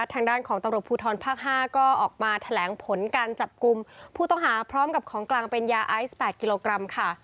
ทางด้านของตำรวจภูทรภาค๕ก็ออกมาแถลงผลการจับกลุ่มผู้ต้องหาพร้อมกับของกลางเป็นยาไอซ์๘กิโลกรัมค่ะ